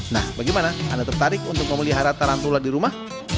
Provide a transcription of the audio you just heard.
nah bagaimana anda tertarik untuk memelihara tarantula di rumah